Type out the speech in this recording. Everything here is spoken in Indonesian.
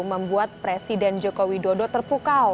membuat presiden joko widodo terpukau